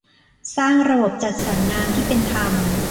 สร้างระบบจัดสรรน้ำที่เป็นธรรม